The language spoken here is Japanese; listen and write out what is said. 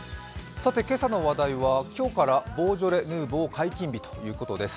今朝の話題は今日からボージョレ・ヌーボー解禁日ということです。